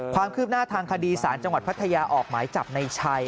ความคืบหน้าทางคดีศาลจังหวัดพัทยาออกหมายจับในชัย